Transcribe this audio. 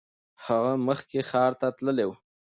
هغه مخکې ښار ته تللی و.